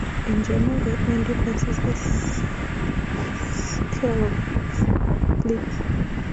In general, the main difference is the scale of fleets.